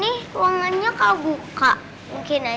tidak ada yang bisa dikira